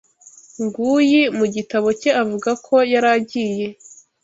Guyi mu gitabo cye avuga ko yari agiye